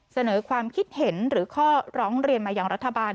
เสนอความคิดเห็นหรือข้อร้องเรียนมาอย่างรัฐบาล